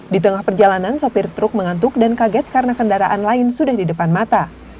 di tengah perjalanan sopir truk mengantuk dan kaget karena kendaraan lain sudah di depan mata